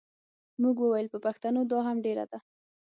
موږ وویل پر پښتنو دا هم ډېره ده.